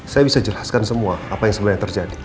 saya bisa jelaskan semua apa yang sebenarnya terjadi